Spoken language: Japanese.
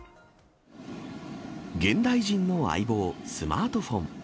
現代人の相棒、スマートフォン。